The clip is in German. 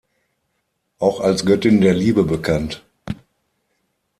Auch als Göttin der Liebe bekannt.